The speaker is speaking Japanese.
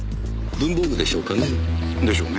文房具でしょうかねえ？でしょうね。